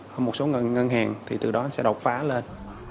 hơn một số ngân hàng thì từ đó sẽ đột phá lên